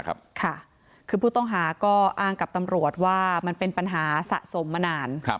คือผู้ต้องหาก็อ้างกับตำรวจว่ามันเป็นปัญหาสะสมมานาน